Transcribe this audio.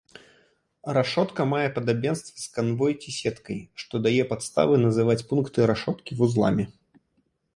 Рашотка мае падабенства з канвой ці сеткай, што дае падставы называць пункты рашоткі вузламі.